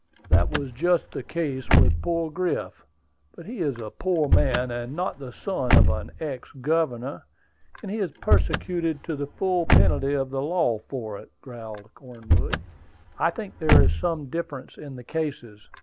"That was just the case with poor Griff; but he is a poor man, and not the son of an ex governor; and he is persecuted to the full penalty of the law for it," growled Cornwood. "I think there is some difference in the cases.